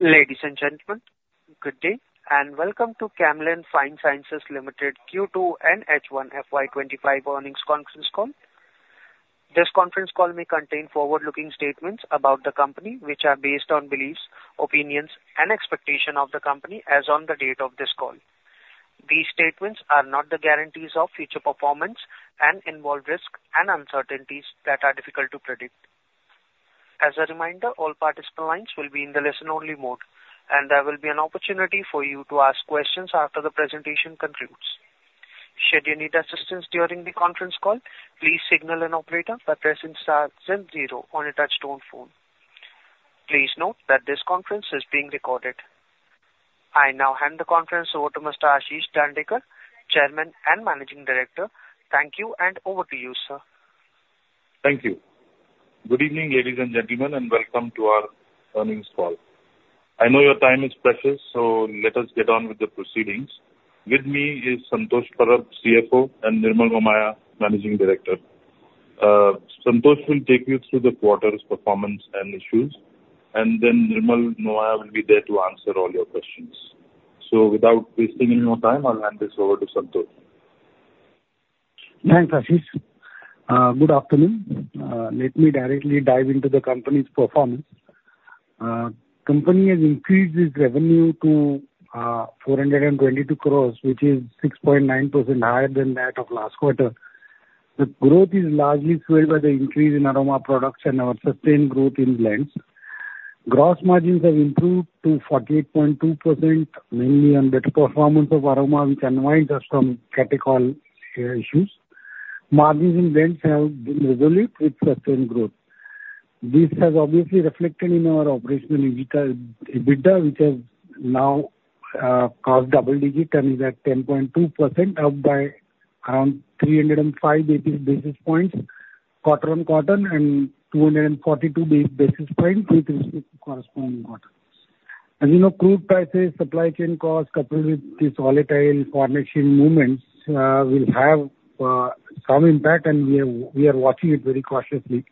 Ladies and gentlemen, good day, and welcome to Camlin Fine Sciences Limited Q2 FY25 earnings conference call. This conference call may contain forward-looking statements about the company, which are based on beliefs, opinions, and expectations of the company as on the date of this call. These statements are not the guarantees of future performance and involve risks and uncertainties that are difficult to predict. As a reminder, all participants will be in the listen-only mode, and there will be an opportunity for you to ask questions after the presentation concludes. Should you need assistance during the conference call, please signal an operator by pressing star and zero on a touch-tone phone. Please note that this conference is being recorded. I now hand the conference over to Mr. Ashish Dandekar, Chairman and Managing Director. Thank you, and over to you, sir. Thank you. Good evening, ladies and gentlemen, and welcome to our earnings call. I know your time is precious, so let us get on with the proceedings. With me is Santosh Parab, CFO, and Nirmal Momaya, Managing Director. Santosh will take you through the quarter's performance and issues, and then Nirmal Momaya will be there to answer all your questions. So without wasting any more time, I'll hand this over to Santosh. Thanks, Ashish. Good afternoon. Let me directly dive into the company's performance. The company has increased its revenue to 422 crore, which is 6.9% higher than that of last quarter. The growth is largely fueled by the increase in aroma products and our sustained growth in blends. Gross margins have improved to 48.2%, mainly on better performance of aroma, which unwinds us from catechol issues. Margins in blends have resulted with sustained growth. This has obviously reflected in our operational EBITDA, which has now crossed double digits and is at 10.2%, up by around 305 basis points quarter on quarter and 242 basis points with respect to corresponding quarters. As you know, crude prices, supply chain costs, coupled with these volatile foreign exchange movements, will have some impact, and we are watching it very cautiously.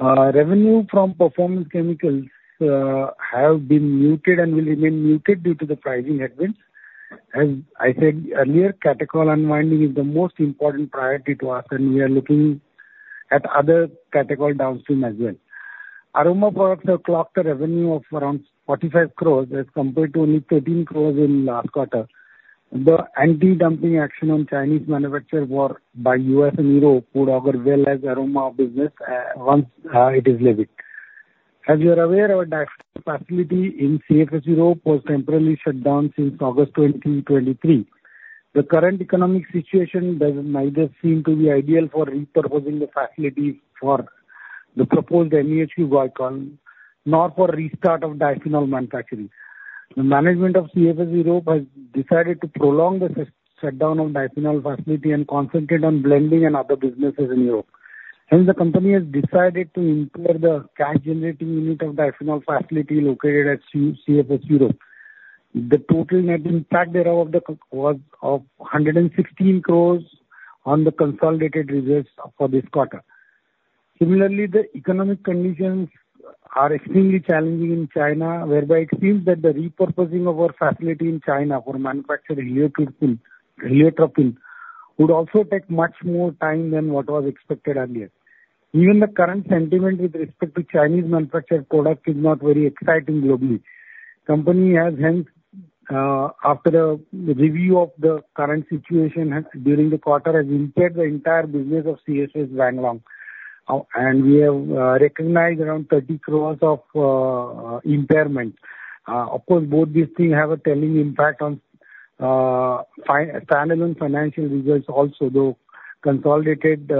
Revenue from performance chemicals has been muted and will remain muted due to the pricing advance. As I said earlier, catechol unwinding is the most important priority to us, and we are looking at other catechol downstream as well. Aroma products have clocked a revenue of around 45 crore as compared to only 13 crore in last quarter. The anti-dumping action on Chinese manufacturers by U.S. and Europe would augur well as aroma business once it is leveled. As you are aware, our facility in CFS Europe was temporarily shut down since August 2023. The current economic situation does neither seem to be ideal for repurposing the facilities for the proposed MEHQ guaiacol, nor for restart of diphenol manufacturing. The management of CFS Europe has decided to prolong the shutdown of diphenol facility and concentrate on blending and other businesses in Europe. Hence, the company has decided to impair the cash-generating unit of diphenol facility located at CFS Europe. The total net impact thereof was of 116 crore on the consolidated results for this quarter. Similarly, the economic conditions are extremely challenging in China, whereby it seems that the repurposing of our facility in China for manufacturing heliotropin would also take much more time than what was expected earlier. Even the current sentiment with respect to Chinese manufactured products is not very exciting globally. The company has hence, after the review of the current situation during the quarter, impaired the entire business of CFS Wanglong, and we have recognized around 30 crore of impairment. Of course, both these things have a telling impact on standalone financial results also, though consolidated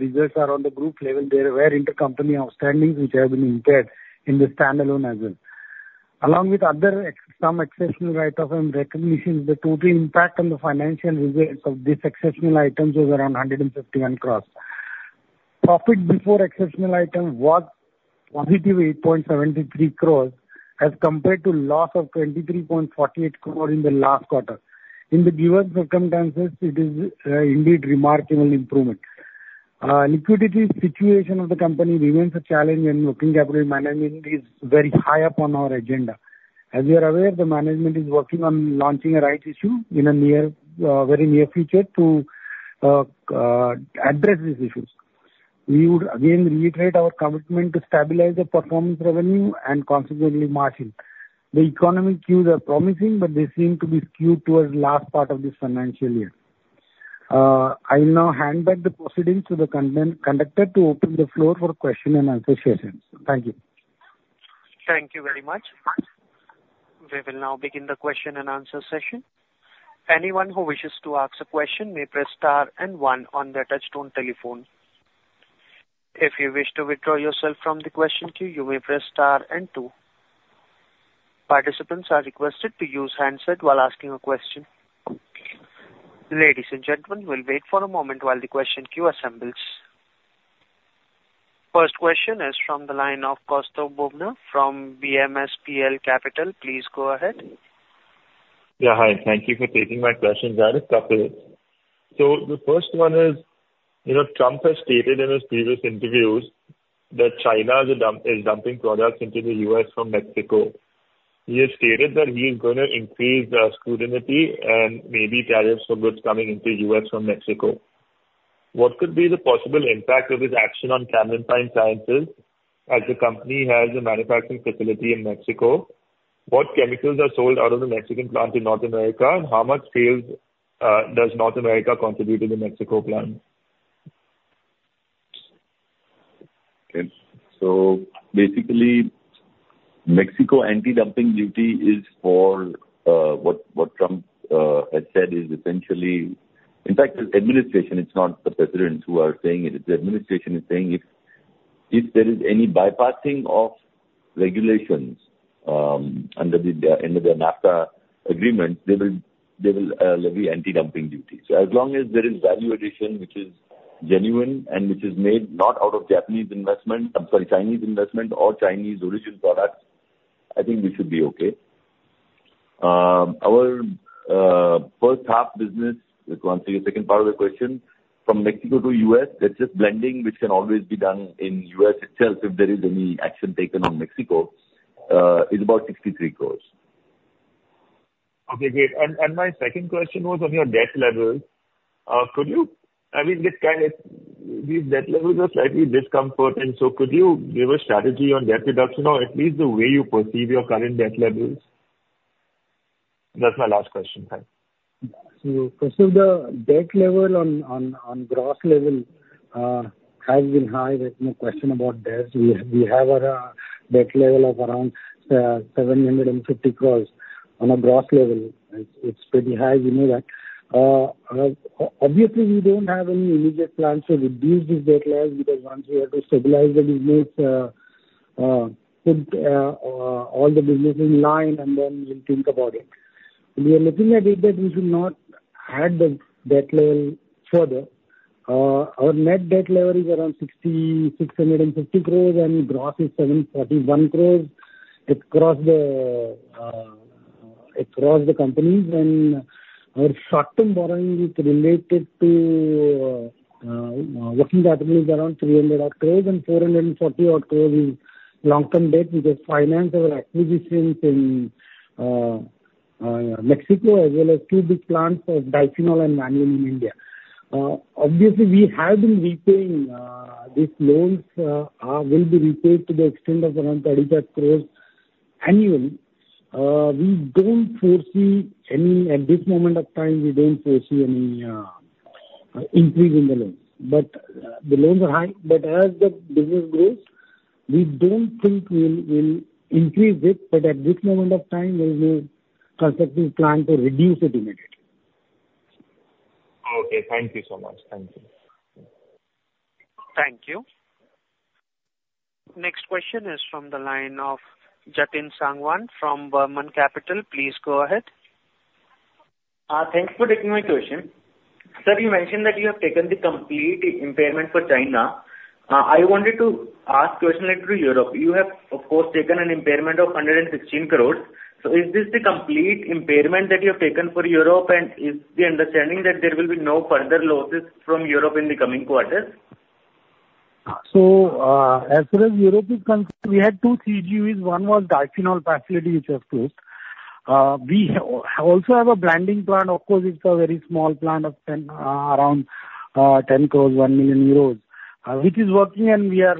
results are on the group level. There were intercompany outstandings which have been impaired in the standalone as well. Along with some exceptional items and recognitions, the total impact on the financial results of these exceptional items was around 151 crore. Profit before exceptional items was positive 8.73 crore as compared to loss of 23.48 crore in the last quarter. In the given circumstances, it is indeed a remarkable improvement. Liquidity situation of the company remains a challenge, and working capital management is very high up on our agenda. As you are aware, the management is working on launching a rights issue in a very near future to address these issues. We would again reiterate our commitment to stabilize the performance revenue and consequently margin. The economic cues are promising, but they seem to be skewed towards the last part of this financial year. I will now hand back the proceedings to the conductor to open the floor for question-and-answer sessions. Thank you. Thank you very much. We will now begin the question and answer session. Anyone who wishes to ask a question may press star and one on the touch-tone telephone. If you wish to withdraw yourself from the question queue, you may press star and two. Participants are requested to use handset while asking a question. Ladies and gentlemen, we'll wait for a moment while the question queue assembles. First question is from the line of Kaustav Bubna from BMSPL Capital. Please go ahead. Yeah, hi. Thank you for taking my questions. This is Kapil. So the first one is, Trump has stated in his previous interviews that China is dumping products into the U.S. from Mexico. He has stated that he is going to increase scrutiny and maybe tariffs for goods coming into the U.S. from Mexico. What could be the possible impact of his action on Camlin Fine Sciences as the company has a manufacturing facility in Mexico? What chemicals are sold out of the Mexican plant in North America? How much sales does North America contribute to the Mexico plant? Okay. So basically, Mexico anti-dumping duty is for what Trump has said is essentially, in fact, the administration, it's not the president who are saying it. The administration is saying if there is any bypassing of regulations under the NAFTA agreement, they will levy anti-dumping duties. So as long as there is value addition, which is genuine and which is made not out of Japanese investment, I'm sorry, Chinese investment or Chinese original products, I think we should be okay. Our first half business, the second part of the question, from Mexico to U.S., that's just blending, which can always be done in U.S. itself if there is any action taken on Mexico, is about 63 crore. Okay, great. And my second question was on your debt levels. Could you, I mean, these debt levels are slightly discomforting, so could you give a strategy on debt reduction or at least the way you perceive your current debt levels? That's my last question. Thanks. So the debt level on gross level has been high. There's no question about debts. We have a debt level of around 750 crore on a gross level. It's pretty high. We know that. Obviously, we don't have any immediate plans to reduce these debt levels because once we have to stabilize the business, put all the business in line and then we'll think about it. We are looking at it that we should not add the debt level further. Our net debt level is around 650 crore and gross is 741 crore across the companies. And our short-term borrowing is related to working capital is around 300 crore and 440 crore is long-term debt because finance of our acquisitions in Mexico as well as two big plants of diphenol and vanillin in India. Obviously, we have been repaying these loans. We'll be repaid to the extent of around 35 crore annually. At this moment of time, we don't foresee any increase in the loans. But the loans are high. But as the business grows, we don't think we'll increase it. But at this moment of time, there is no concrete plan to reduce it immediately. Okay. Thank you so much. Thank you. Thank you. Next question is from the line of Jatin Sangwan from Burman Capital. Please go ahead. Thanks for taking my question. Sir, you mentioned that you have taken the complete impairment for China. I wanted to ask question related to Europe. You have, of course, taken an impairment of 116 crore. So is this the complete impairment that you have taken for Europe, and is the understanding that there will be no further losses from Europe in the coming quarters? So as far as Europe is concerned, we had two CGUs. One was diphenol facility which was closed. We also have a blending plant, of course, it's a very small plant of around 10 crore, 1 million euros, which is working, and we are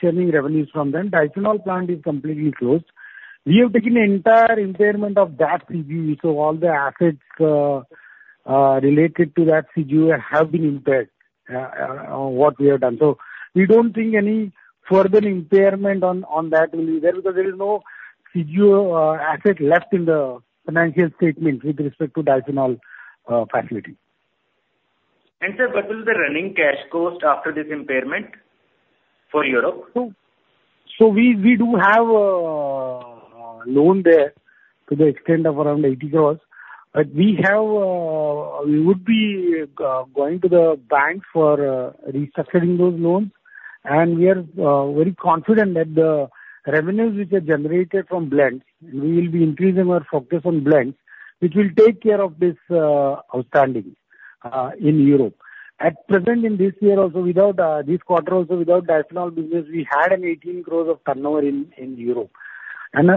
churning revenues from them. Diphenol plant is completely closed. We have taken the entire impairment of that CGU. So all the assets related to that CGU have been impaired on what we have done. So we don't think any further impairment on that will be there because there is no CGU asset left in the financial statements with respect to diphenol facility. Sir, what will the running cash cost after this impairment for Europe? We do have a loan there to the extent of around 80 crore. We would be going to the bank for restructuring those loans, and we are very confident that the revenues which are generated from blends, and we will be increasing our focus on blends, which will take care of this outstanding in Europe. At present, in this year also, without this quarter, also without diphenol business, we had an 18 crore of turnover in Europe. On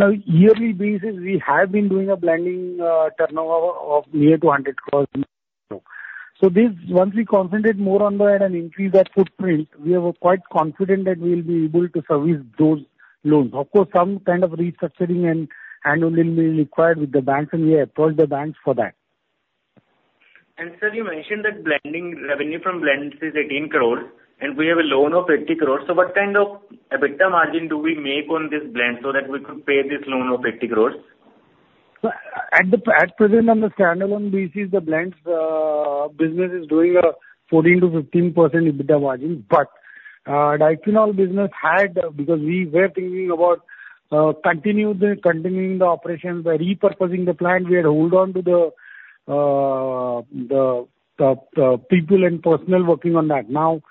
a yearly basis, we have been doing a blending turnover of near to 100 crore in Europe. Once we concentrate more on that and increase that footprint, we are quite confident that we will be able to service those loans. Of course, some kind of restructuring and handling will be required with the banks, and we approach the banks for that. Sir, you mentioned that blending revenue from blends is 18 crore, and we have a loan of 80 crore. What kind of EBITDA margin do we make on this blend so that we could pay this loan of 80 crore? At present, on the standalone basis, the blends business is doing a 14%-15% EBITDA margin. But diphenol business had, because we were thinking about continuing the operation, repurposing the plant, we had held on to the people and personnel working on that. Now,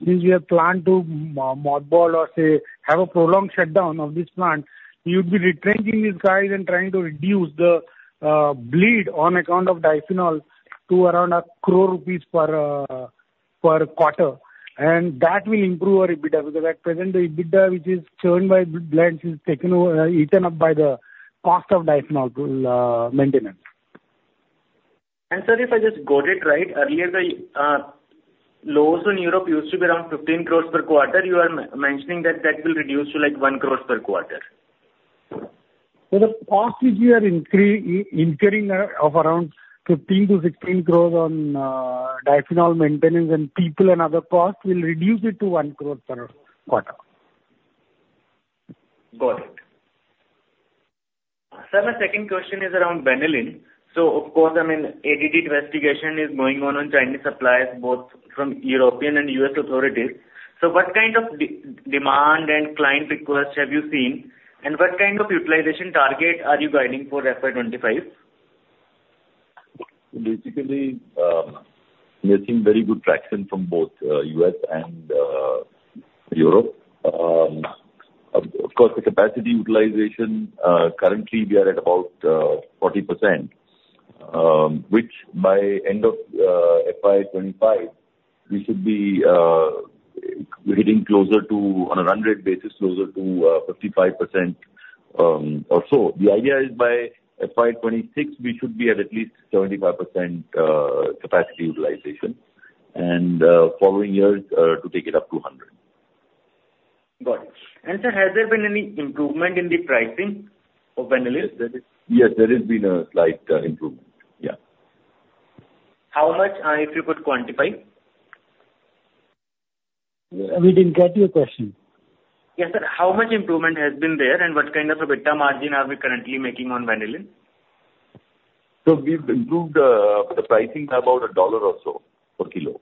since we have planned to mothball or say have a prolonged shutdown of this plant, we would be retrenching these guys and trying to reduce the bleed on account of diphenol to around 1 crore rupees per quarter. And that will improve our EBITDA because at present, the EBITDA which is earned by blends is taken over, eaten up by the cost of diphenol maintenance. Sir, if I just got it right, earlier the loss in Europe used to be around 15 crore per quarter. You are mentioning that that will reduce to like 1 crore per quarter. The cost which we are incurring of around 15 crore to 16 crore on diphenol maintenance and people and other costs will reduce it to 1 crore per quarter. Got it. Sir, my second question is around vanillin. So of course, I mean, ADD investigation is going on Chinese suppliers, both from European and U.S. authorities. So what kind of demand and client requests have you seen, and what kind of utilization target are you guiding for FY25? Basically, we are seeing very good traction from both U.S. and Europe. Of course, the capacity utilization, currently we are at about 40%, which by end of FY25, we should be hitting closer to, on a run rate basis, closer to 55% or so. The idea is by FY26, we should be at least 75% capacity utilization, and following years to take it up to 100. Got it. And sir, has there been any improvement in the pricing of vanillin? Yes, there has been a slight improvement. Yeah. How much, if you could quantify? We didn't get your question. Yes, sir. How much improvement has been there, and what kind of EBITDA margin are we currently making on vanillin? We've improved the pricing by about $1 or so per kilo.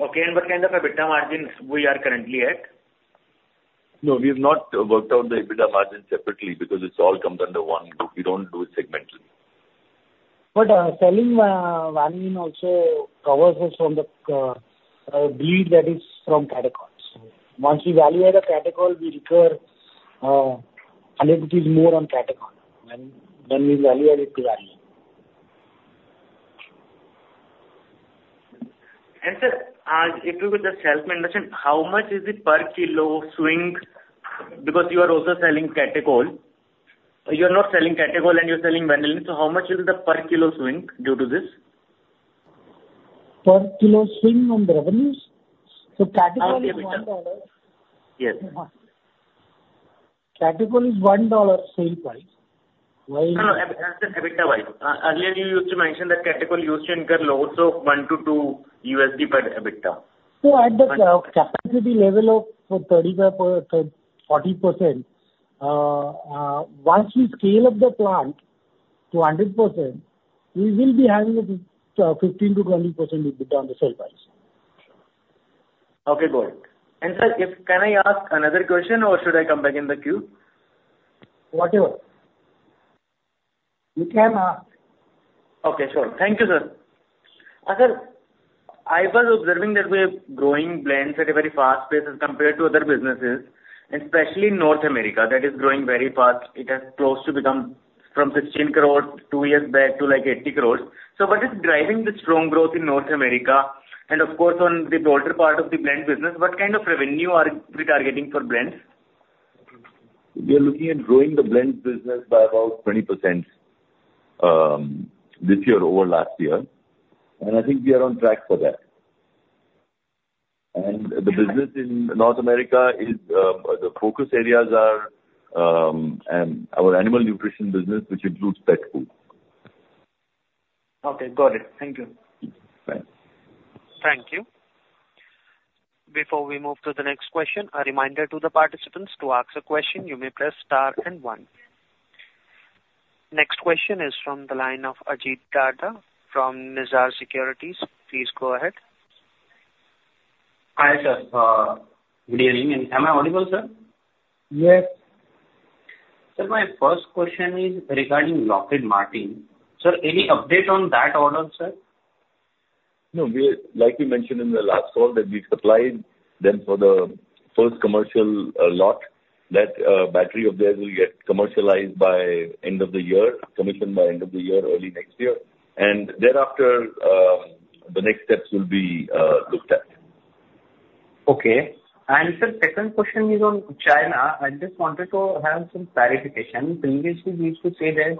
Okay. And what kind of EBITDA margin we are currently at? No, we have not worked out the EBITDA margin separately because it all comes under one group. We don't do it segmentally. But selling vanillin also covers us from the bleed that is from catechols. Once we value add a catechol, we recover INR 100 more on catechol than we value-added to vanillin. Sir, if you could just help me understand, how much is the per kilo swing? Because you are also selling catechol. You are not selling catechol, and you're selling vanillin. So how much is the per kilo swing due to this? Per kilo swing on revenues? So catechol is $1. Yes. Catechol is $1 sale price. Hello, sir, EBITDA-wise. Earlier, you used to mention that catechol used to incur losses of $1-$2 per EBITDA. So at the capacity level of 35%-40%, once we scale up the plant to 100%, we will be having a 15%-20% EBITDA on the sale price. Okay, got it. And sir, can I ask another question, or should I come back in the queue? Whatever. You can ask. Okay, sure. Thank you, sir. Sir, I was observing that we are growing blends at a very fast pace as compared to other businesses, especially North America. That is growing very fast. It has close to become from 16 crore two years back to like 80 crore. So what is driving the strong growth in North America? And of course, on the broader part of the blend business, what kind of revenue are we targeting for blends? We are looking at growing the blend business by about 20% this year over last year. And I think we are on track for that. And the business in North America is the focus areas are our animal nutrition business, which includes pet food. Okay, got it. Thank you. Thank you. Before we move to the next question, a reminder to the participants to ask a question. You may press star and one. Next question is from the line of Ajit Darda from Nirzar Securities. Please go ahead. Hi, sir. Good evening. And am I audible, sir? Yes. Sir, my first question is regarding Lockheed Martin. Sir, any update on that order, sir? No, like we mentioned in the last call that we supplied them for the first commercial lot. That battery of theirs will get commercialized by end of the year, commissioned by end of the year, early next year, and thereafter, the next steps will be looked at. Okay. And sir, second question is on China. I just wanted to have some clarification. Previously, we used to say that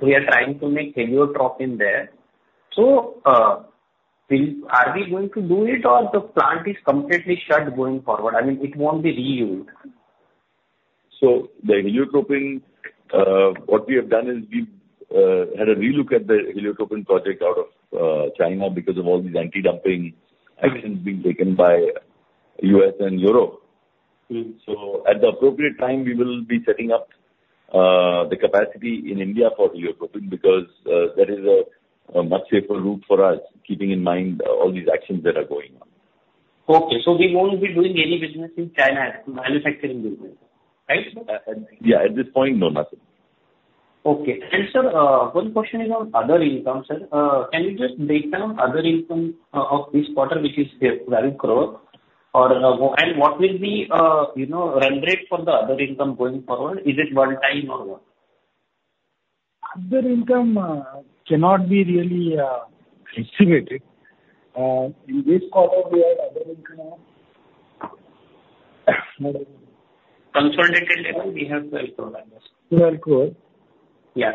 we are trying to make heliotropin there. So are we going to do it, or the plant is completely shut going forward? I mean, it won't be reused. So the heliotropin, what we have done is we had a relook at the heliotropin project out of China because of all these anti-dumping actions being taken by U.S. and Europe. So at the appropriate time, we will be setting up the capacity in India for heliotropin because that is a much safer route for us, keeping in mind all these actions that are going on. Okay. So we won't be doing any manufacturing business in China, right? Yeah. At this point, no, nothing. Okay. And sir, one question is on other income, sir. Can you just break down other income of this quarter, which is INR 12 crore? And what will be the run rate for the other income going forward? Is it one time or what? Other income cannot be really estimated. In this quarter, we had other income of. Consolidated level, we have 12 crore, I guess. INR 12 crore. Yeah.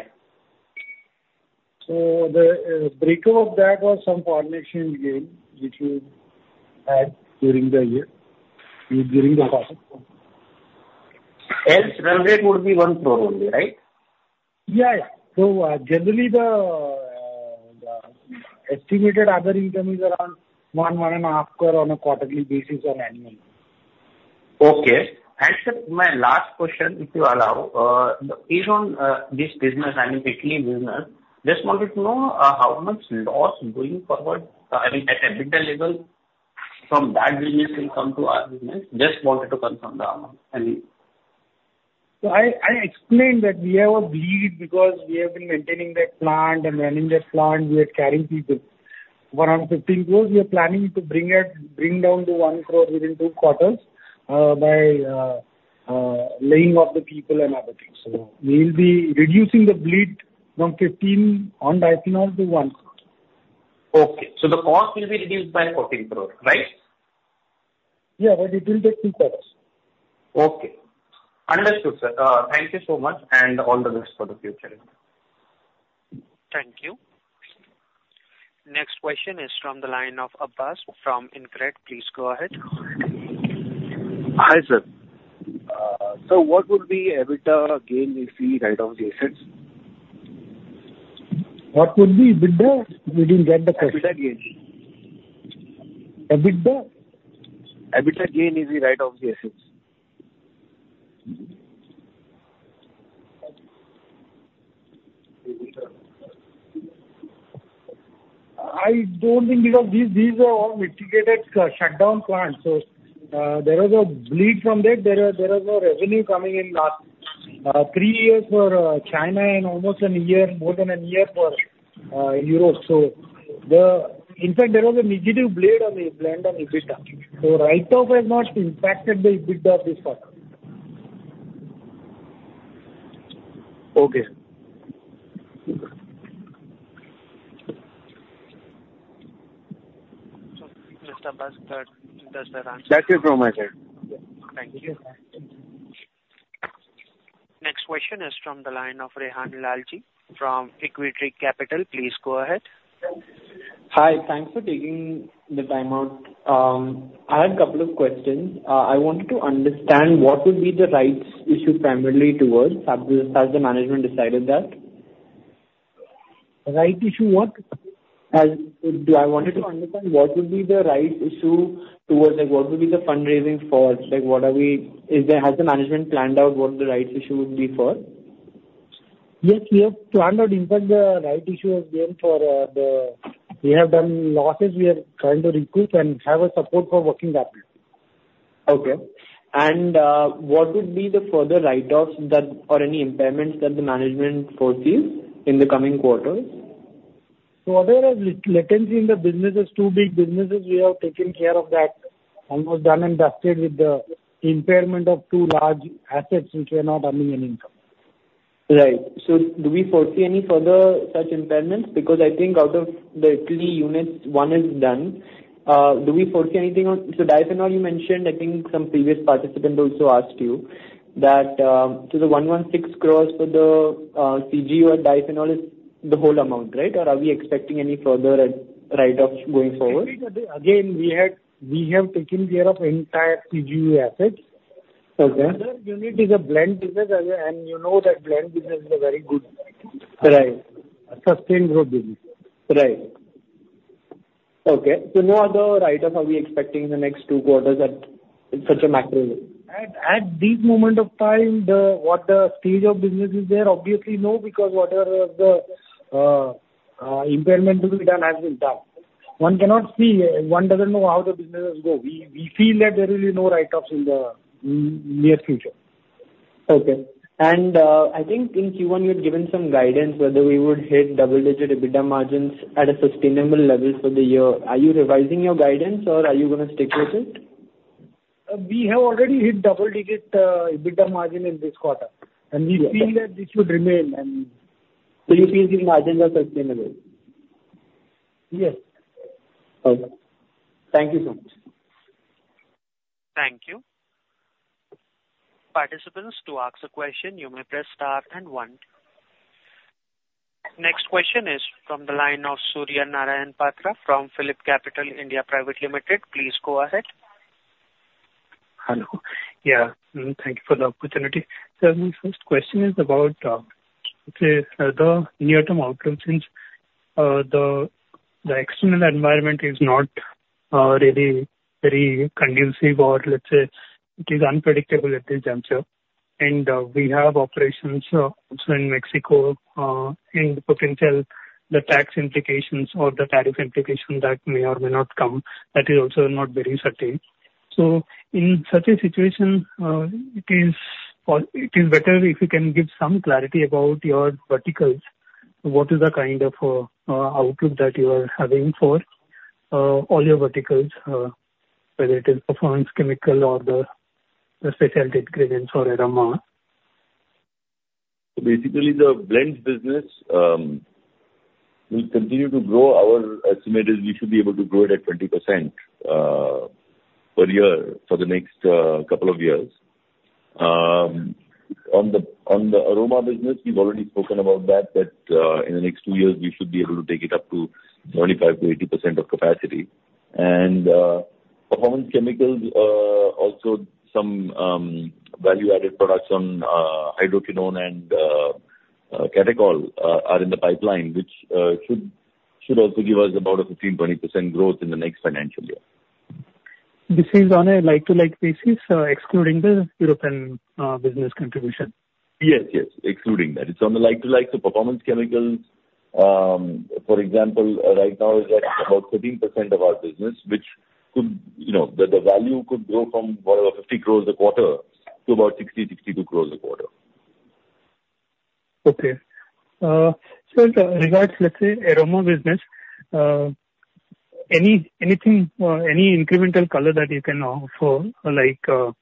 The breakup of that was some coordination gain which we had during the year, during the quarter. Else run rate would be 1 crore only, right? Yeah. So generally, the estimated other income is around 1-1.5 crore on a quarterly basis or annually. Okay, and sir, my last question, if you allow, is on this business, I mean, equity business. Just wanted to know how much loss going forward, I mean, at EBITDA level from that business will come to our business. Just wanted to confirm the amount. So I explained that we have a bleed because we have been maintaining that plant and running that plant. We are carrying people. Around 15 crore, we are planning to bring down to 1 crore within two quarters by laying off the people and other things. So we will be reducing the bleed from 15 croce on diphenol to 1 crore. Okay. So the cost will be reduced by 14 crore, right? Yeah, but it will take two quarters. Okay. Understood, sir. Thank you so much and all the best for the future. Thank you. Next question is from the line of Abbas from InCred. Please go ahead. Hi, sir. Sir, what would be EBITDA gain if we write off the assets? What would be EBITDA? We didn't get the question. EBITDA gain. EBITDA? EBITDA gain if we write off the assets. I don't think, because these are all mothballed shutdown plants. So there was a bleed from that. There was no revenue coming in last three years for China and almost a year, more than a year for Europe. So in fact, there was a negative bleed on the EBITDA. So write-off has not impacted the EBITDA this quarter. Okay. Mr. Abbas, does that answer? Thank you so much. Thank you. Next question is from the line of Rehan Laljee from Equitree Capital. Please go ahead. Hi. Thanks for taking the time out. I had a couple of questions. I wanted to understand what would be the rights issue primarily towards? Has the management decided that? Rights issue what? I wanted to understand what would be the rights issue towards, what would be the fundraising for? Has the management planned out what the rights issue would be for? Yes, we have planned out, in fact, the rights issue again for the losses we have done. We are trying to recoup and have support for working capital. Okay. And what would be the further write-offs or any impairments that the management foresees in the coming quarters? So there is latency in the businesses. Two big businesses. We have taken care of that. Almost done and dusted with the impairment of two large assets which are not earning any income. Right. So do we foresee any further such impairments? Because I think out of the three units, one is done. Do we foresee anything on the diphenol, you mentioned? I think some previous participant also asked you that, so the 116 crore for the CGU and diphenol is the whole amount, right? Or are we expecting any further write-offs going forward? Again, we have taken care of entire CGU assets. The other unit is a blend business, and you know that blend business is a very good sustained growth business. Right. Okay. So no other write-off are we expecting in the next two quarters at such a macro level? At this moment of time, what the stage of business is there, obviously no because whatever of the impairment to be done has been done. One cannot see. One doesn't know how the businesses go. We feel that there will be no write-offs in the near future. Okay. And I think in Q1, you had given some guidance whether we would hit double-digit EBITDA margins at a sustainable level for the year. Are you revising your guidance, or are you going to stick with it? We have already hit double-digit EBITDA margin in this quarter, and we feel that this should remain. So you feel these margins are sustainable? Yes. Okay. Thank you so much. Thank you. Participants, to ask a question, you may press star and one. Next question is from the line of Surya Narayan Patra from PhillipCapital India Private Limited. Please go ahead. Hello. Yeah. Thank you for the opportunity. Sir, my first question is about the near-term outcomes since the external environment is not really very conducive or, let's say, it is unpredictable at this juncture, and we have operations also in Mexico and potential tax implications or the tariff implications that may or may not come. That is also not very certain, so in such a situation, it is better if you can give some clarity about your verticals, what is the kind of outlook that you are having for all your verticals, whether it is Performance Chemical or the Specialty Ingredients or Aroma? So basically, the blend business will continue to grow. Our estimate is we should be able to grow it at 20% per year for the next couple of years. On the aroma business, we've already spoken about that, that in the next two years, we should be able to take it up to 25%-80% of capacity. And Performance Chemicals, also some value-added products on hydroquinone and catechol are in the pipeline, which should also give us about a 15%-20% growth in the next financial year. This is on a like-to-like basis, excluding the European business contribution. Yes, yes. Excluding that. It's on the like-to-like. So Performance Chemicals, for example, right now, is at about 13% of our business, which could the value could grow from whatever, 50 crore a quarter to about 60-62 crore a quarter. Okay. Sir, regards, let's say, Aroma business, any incremental color that you can offer?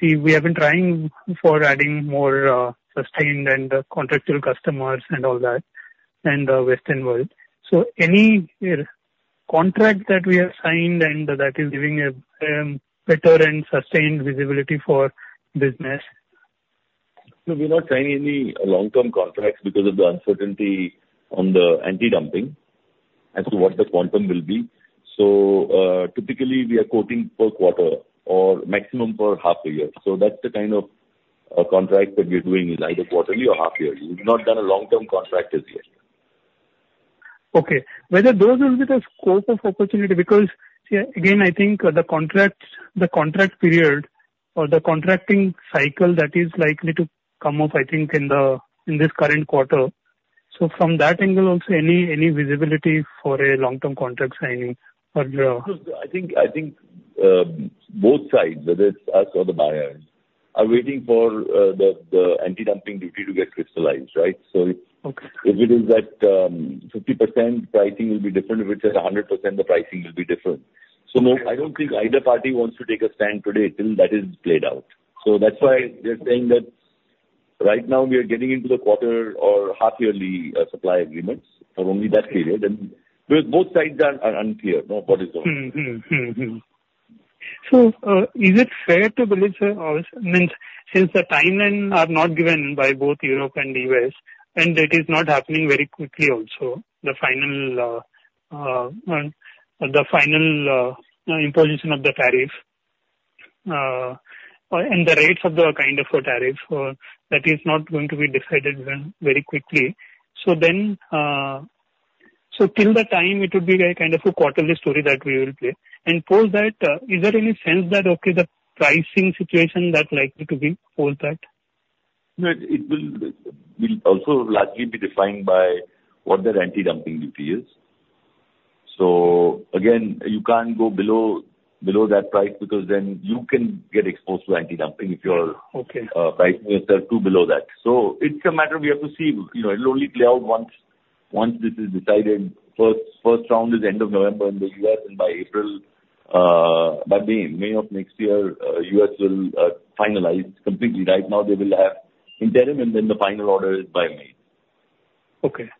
See, we have been trying for adding more sustained and contractual customers and all that and Western world. So any contract that we have signed and that is giving a better and sustained visibility for business? So we're not signing any long-term contracts because of the uncertainty on the anti-dumping as to what the quantum will be. So typically, we are quoting per quarter or maximum per half a year. So that's the kind of contract that we are doing is either quarterly or half-yearly. We've not done a long-term contract as yet. Okay. Whether those are within the scope of opportunity because, again, I think the contract period or the contracting cycle that is likely to come up, I think, in this current quarter. So from that angle, also any visibility for a long-term contract signing? I think both sides, whether it's us or the buyers, are waiting for the anti-dumping duty to get crystallized, right? So, if it is that 50% pricing will be different, if it's at 100%, the pricing will be different. So I don't think either party wants to take a stand today till that is played out. So that's why they're saying that right now, we are getting into the quarter or half-yearly supply agreements for only that period. And both sides are unclear what is going to happen. So is it fair to believe, sir, since the timeline are not given by both Europe and the U.S., and it is not happening very quickly also, the final imposition of the tariff and the rates of the kind of tariff that is not going to be decided very quickly? So till that time, it would be kind of a quarterly story that we will play. And post that, is there any sense that, okay, the pricing situation that likely to be post that? It will also largely be defined by what that anti-dumping duty is. So again, you can't go below that price because then you can get exposed to anti-dumping if you're pricing yourself too below that. So it's a matter we have to see. It'll only play out once this is decided. First round is end of November in the U.S., and by April, by May of next year, U.S. will finalize completely. Right now, they will have interim, and then the final order is by May. Okay.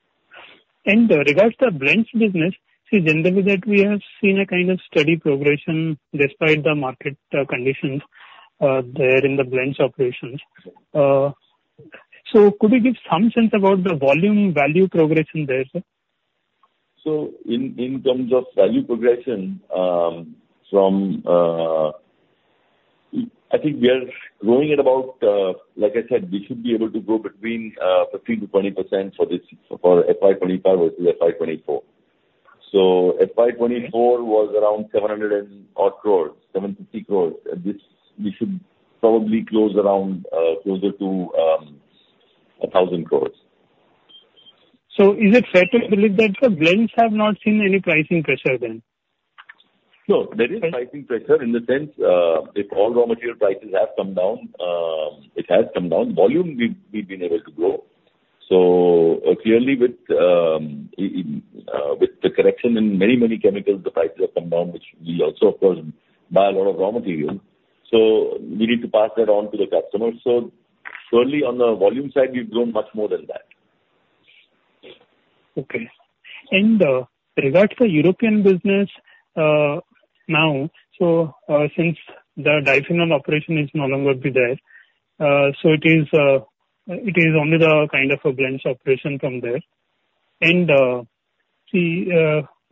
And regards to the blend business, see, generally, that we have seen a kind of steady progression despite the market conditions there in the blend operations. So could you give some sense about the volume value progression there, sir? So in terms of value progression, I think we are growing at about, like I said, we should be able to grow between 15%-20% for FY25 versus FY24. So FY24 was around 700 and odd crore, 750 crore. We should probably close around closer to 1,000 crore. So is it fair to believe that the blends have not seen any pricing pressure then? No. There is pricing pressure in the sense if all raw material prices have come down, it has come down. Volume, we've been able to grow. So clearly, with the correction in many, many chemicals, the prices have come down, which we also, of course, buy a lot of raw material. So we need to pass that on to the customers. So surely on the volume side, we've grown much more than that. Okay. And regards to the European business now, so since the diphenol operation is no longer there, so it is only the kind of a blend operation from there. And see,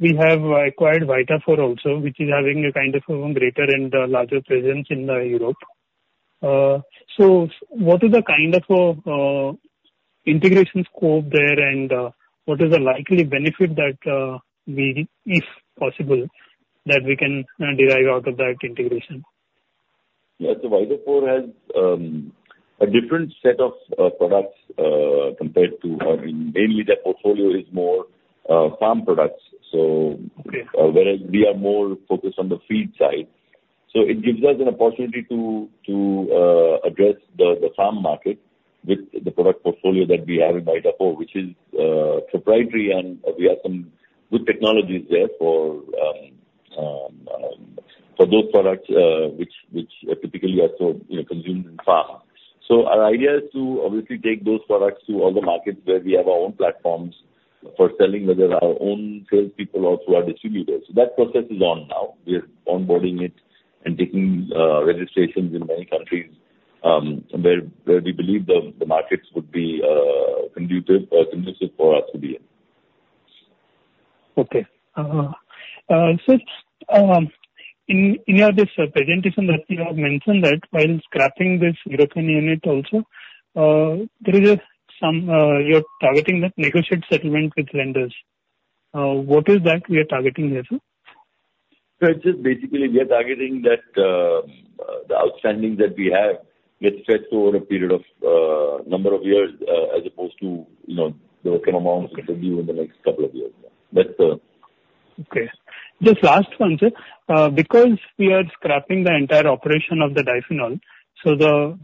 we have acquired Vitafor also, which is having a kind of a greater and larger presence in Europe. So what is the kind of integration scope there, and what is the likely benefit that we, if possible, that we can derive out of that integration? Yeah. So Vitafor has a different set of products compared to mainly their portfolio is more farm products, whereas we are more focused on the feed side. So it gives us an opportunity to address the farm market with the product portfolio that we have in Vitafor, which is proprietary, and we have some good technologies there for those products which are typically also consumed in farms. So our idea is to obviously take those products to all the markets where we have our own platforms for selling, whether our own salespeople or to our distributors. That process is on now. We are onboarding it and taking registrations in many countries where we believe the markets would be conducive for us to be in. Okay. So in your presentation, you have mentioned that while scrapping this European unit also, there is some you're targeting a negotiated settlement with lenders. What is that we are targeting here, sir? Just basically, we are targeting that the outstanding that we have gets stretched over a period of a number of years as opposed to the working amount we can do in the next couple of years. That's the. Okay. Just last one, sir. Because we are scrapping the entire operation of the diphenol, so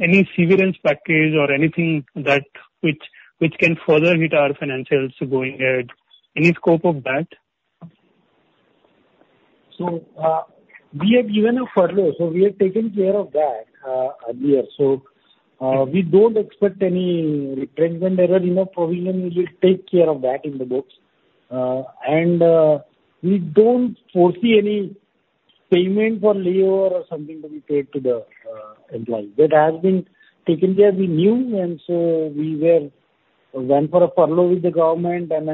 any severe risk package or anything that which can further hit our financials going ahead, any scope of that? So we have given a furlough. So we have taken care of that earlier. So we don't expect any retrenchment there. Enough provision will take care of that in the books. And we don't foresee any payment for layoff or something to be paid to the employees. That has been taken care of. We knew, and so we went for a furlough with the government, and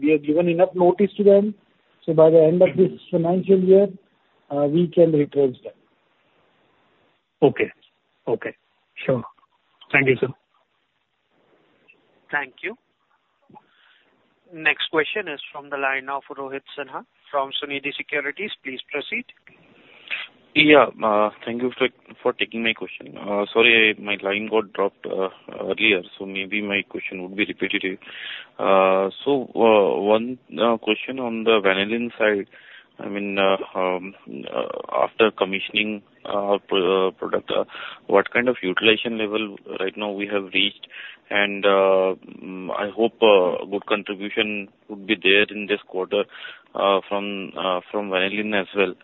we have given enough notice to them. So by the end of this financial year, we can retrench that. Okay. Okay. Sure. Thank you, sir. Thank you. Next question is from the line of Rohit Sinha from Sunidhi Securities. Please proceed. Yeah. Thank you for taking my question. Sorry, my line got dropped earlier, so maybe my question would be repetitive. So one question on the vanillin side. I mean, after commissioning our product, what kind of utilization level right now we have reached? And I hope a good contribution would be there in this quarter from vanillin as well.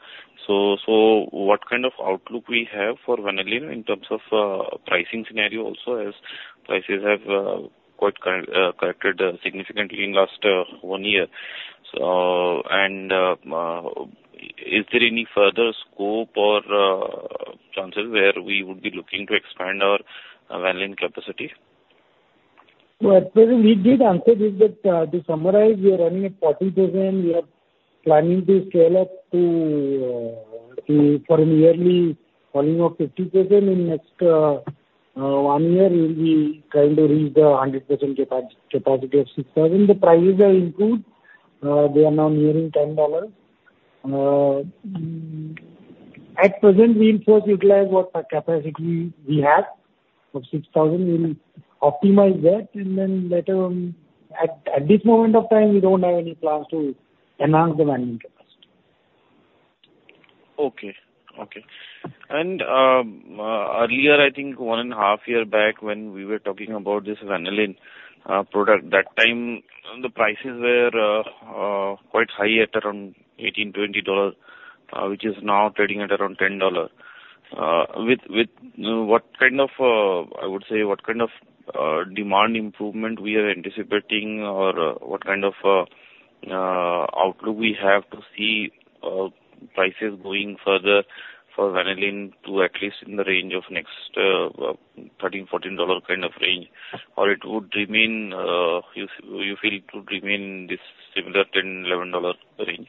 So what kind of outlook we have for vanillin in terms of pricing scenario also as prices have quite corrected significantly in the last one year? And is there any further scope or chances where we would be looking to expand our vanillin capacity? What we did answer is that to summarize, we are running at 40%. We are planning to scale up to for an yearly volume of 50%. In the next one year, we'll be trying to reach the 100% capacity of 6,000. The prices are improved. They are now nearing $10. At present, we'll first utilize what capacity we have of 6,000. We'll optimize that, and then later on, at this moment of time, we don't have any plans to enhance the vanillin capacity. Okay. Okay. And earlier, I think one and a half years back when we were talking about this vanillin product, that time the prices were quite high at around $18-$20, which is now trading at around $10. With what kind of, I would say, what kind of demand improvement we are anticipating or what kind of outlook we have to see prices going further for vanillin to at least in the range of next $13-$14 kind of range, or it would remain, you feel, it would remain in this similar $10-$11 range?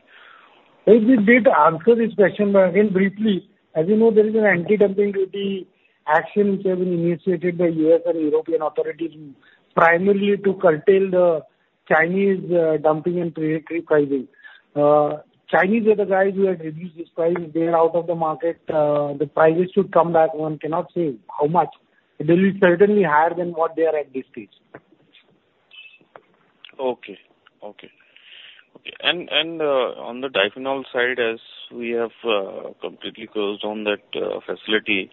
If we did answer this question, but again, briefly, as you know, there is an anti-dumping duty action which has been initiated by U.S. and European authorities primarily to curtail the Chinese dumping and predatory pricing. Chinese are the guys who have reduced these prices. They are out of the market. The prices should come back. One cannot say how much. They'll be certainly higher than what they are at this stage. On the diphenol side, as we have completely closed down that facility,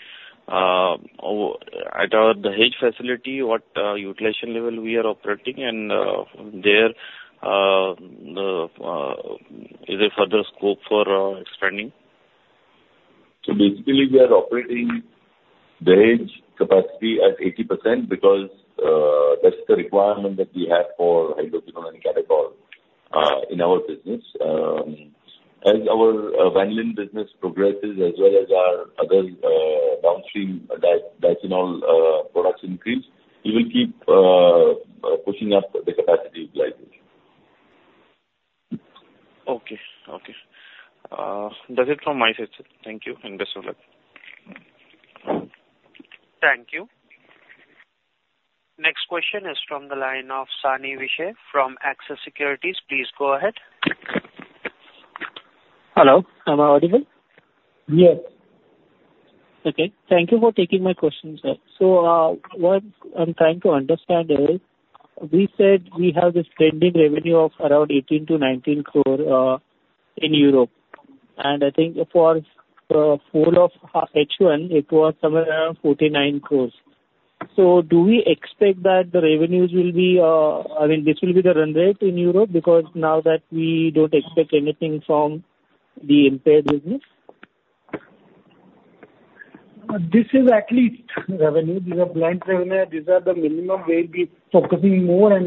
at the blends facility, what utilization level we are operating, and there, is there further scope for expanding? So basically, we are operating Dahej capacity at 80% because that's the requirement that we have for hydroquinone and catechol in our business. As our vanillin business progresses, as well as our other downstream diphenol products increase, we will keep pushing up the capacity utilization. Okay. Okay. That's it from my side, sir. Thank you, and best of luck. Thank you. Next question is from the line of Sani Vishe from Axis Securities. Please go ahead. Hello. Am I audible? Yes. Okay. Thank you for taking my question, sir. So what I'm trying to understand is we said we have this pending revenue of around 18 crore to 19 crore in Europe. And I think for the full H1, it was somewhere around 49 crore. So do we expect that the revenues will be, I mean, this will be the run rate in Europe because now that we don't expect anything from the impaired business? This is at least revenue. These are blend revenue. These are the minimum we'll be focusing more. And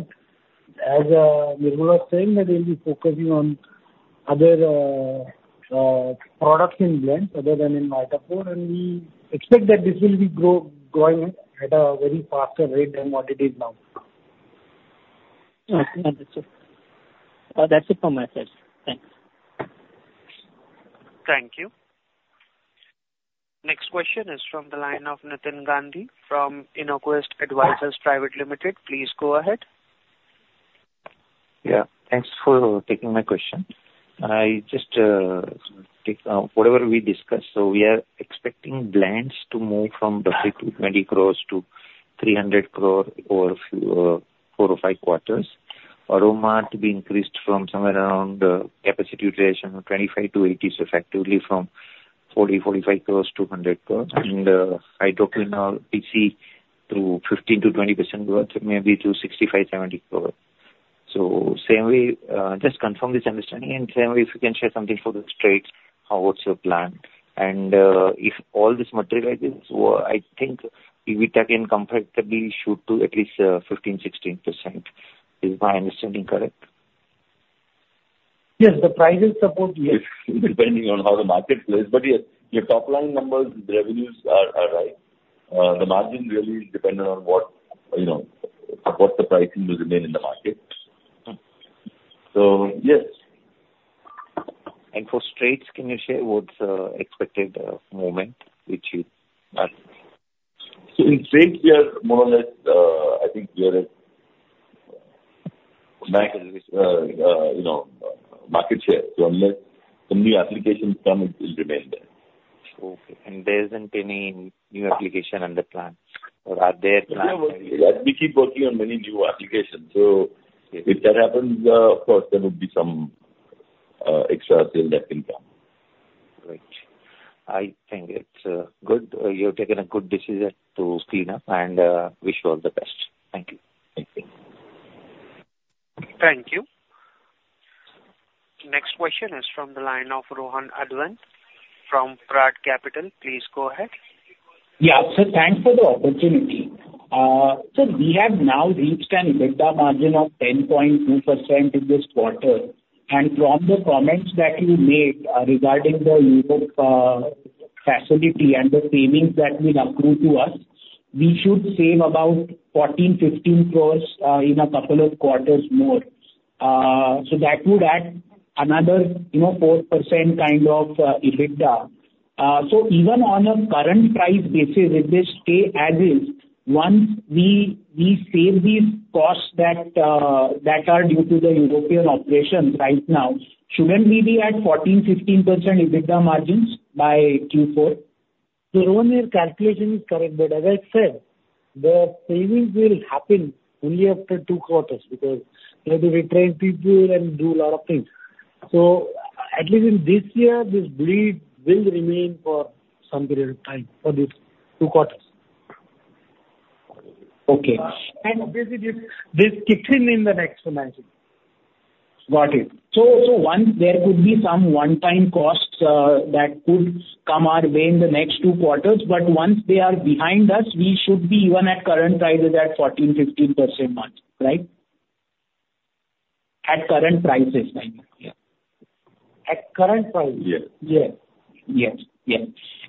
as Nirmal was saying, that we'll be focusing on other products in blend other than in Vitafor. And we expect that this will be growing at a very faster rate than what it is now. Okay. Understood. That's it from my side. Thanks. Thank you. Next question is from the line of Nitin Gandhi from Innoquest Advisors Private Limited. Please go ahead. Yeah. Thanks for taking my question. I just take whatever we discussed. So we are expecting blends to move from roughly 220 crore to 300 crore over four or five quarters. Aroma to be increased from somewhere around capacity utilization of 25% to 80%, so effectively from 40-45 crore to 100 crore. And hydroquinone PC to 15%-20% growth, maybe to 65 crore to 70 crore. So same way, just confirm this understanding. And same way, if you can share something for the States, how what's your plan? And if all this materializes, I think EBITDA can comfortably shoot to at least 15%-16%. Is my understanding correct? Yes. The prices support, yes, depending on how the market plays. But yes, your top-line numbers, the revenues are right. The margin really is dependent on what the pricing will remain in the market. So yes. For States, can you share what's the expected movement, which you? So in States, we are more or less, I think we are at market share. So unless some new applications come, it will remain there. Okay. And there isn't any new application on the plan, or are there plans? We keep working on many new applications. So if that happens, of course, there will be some extra sales that can come. Great. I think it's good. You've taken a good decision to clean up, and I wish you all the best. Thank you. Thank you. Thank you. Next question is from the line of Rohan Advant from Prad Capital. Please go ahead. Yeah. So thanks for the opportunity. So we have now reached an EBITDA margin of 10.2% in this quarter. And from the comments that you made regarding the Europe facility and the savings that will accrue to us, we should save about 14 crore to 15 crore in a couple of quarters more. So that would add another 4% kind of EBITDA. So even on a current price basis, if they stay as is, once we save these costs that are due to the European operations right now, shouldn't we be at 14-15% EBITDA margins by Q4? So Rohan, your calculation is correct. But as I said, the savings will happen only after two quarters because we have to retrain people and do a lot of things. So at least in this year, this bleed will remain for some period of time for these two quarters. Okay. Basically, this kicks in in the next financial year. Got it. So once there could be some one-time costs that could come our way in the next two quarters. But once they are behind us, we should be even at current prices at 14%-15% margin, right? At current prices, right? Yes. At current prices. Yes. Yes. Yes. Yes.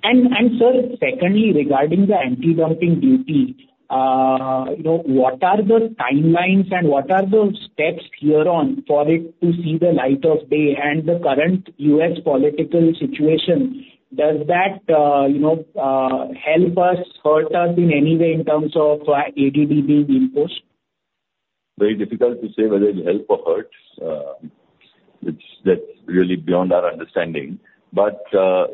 And sir, secondly, regarding the anti-dumping duty, what are the timelines and what are the steps here on for it to see the light of day? And the current U.S. political situation, does that help us, hurt us in any way in terms of ADD being imposed? Very difficult to say whether it'll help or hurt. That's really beyond our understanding. But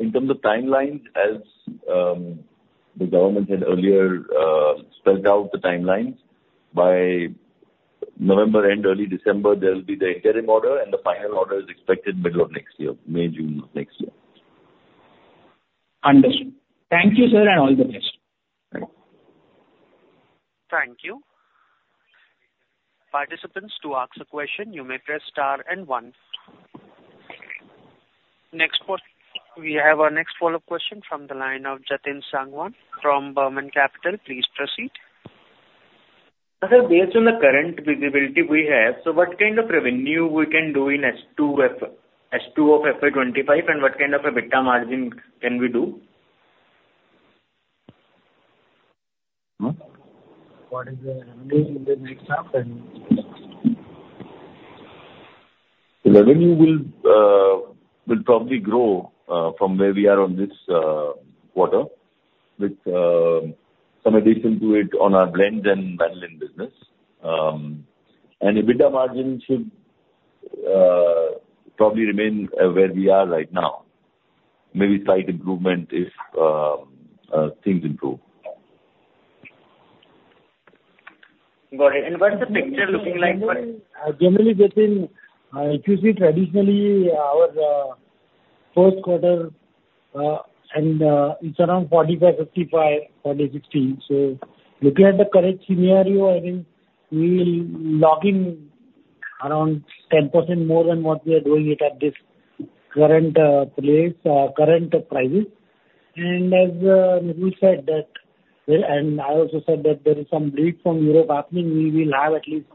in terms of timelines, as the government had earlier spelled out the timelines, by November end, early December, there will be the interim order, and the final order is expected middle of next year, May, June of next year. Understood. Thank you, sir, and all the best. Thanks. Thank you. Participants, to ask a question, you may press star and one. Next, we have our next follow-up question from the line of Jatin Sangwan from Burman Capital. Please proceed. Sir, based on the current visibility we have, so what kind of revenue we can do in H2 of FY25, and what kind of EBITDA margin can we do? What is the revenue in the next half? The revenue will probably grow from where we are on this quarter, with some addition to it on our blends and vanillin business and EBITDA margin should probably remain where we are right now. Maybe slight improvement if things improve. Got it. And what's the picture looking like? Generally, Jatin, if you see, traditionally, our first quarter, and it's around 45%/55%, 40%/60%, so looking at the current scenario, I think we will log in around 10% more than what we are doing at this current prices, and as Nirmal said, and I also said that there is some bleed from Europe happening, we will have at least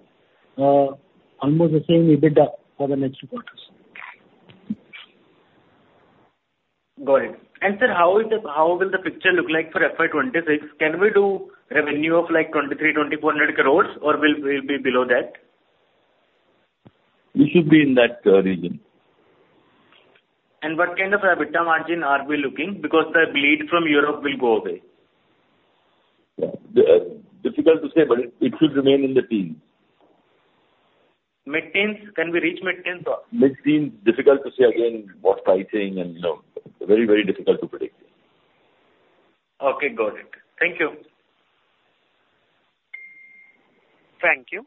almost the same EBITDA for the next two quarters. Got it. And sir, how will the picture look like for FY26? Can we do revenue of like 23 crore to 24 crore, or will we be below that? We should be in that region. What kind of EBITDA margin are we looking? Because the bleed from Europe will go away. Difficult to say, but it should remain in the teens. Mid-teens? Can we reach mid-teens? Mid-teens. Difficult to say again what pricing, and very, very difficult to predict. Okay. Got it. Thank you. Thank you.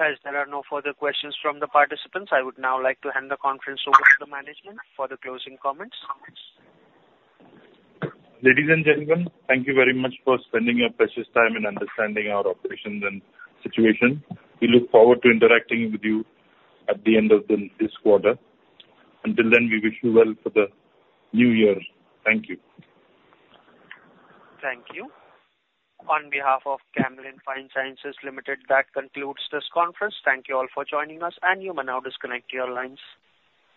As there are no further questions from the participants, I would now like to hand the conference over to the management for the closing comments. Ladies and gentlemen, thank you very much for spending your precious time in understanding our operations and situation. We look forward to interacting with you at the end of this quarter. Until then, we wish you well for the new year. Thank you. Thank you. On behalf of Camlin Fine Sciences Limited, that concludes this conference. Thank you all for joining us, and you may now disconnect your lines.